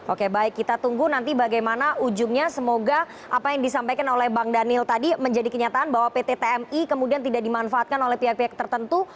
oke baik kita tunggu nanti bagaimana ujungnya semoga apa yang disampaikan oleh bang daniel tadi menjadi kenyataan bahwa pt tmi kemudian tidak dimanfaatkan oleh pihak pihak tertentu